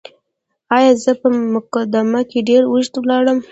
او زه په مقدمه کې ډېر اوږد ولاړم.